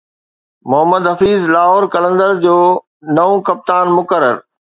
محمد حفيظ لاهور قلندرز جو نئون ڪپتان مقرر